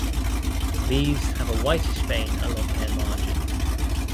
Leaves have a whitish vein along their margin.